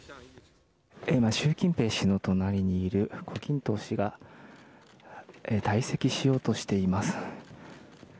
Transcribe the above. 今、習近平氏の隣にいる胡錦濤氏が退席しようとしています。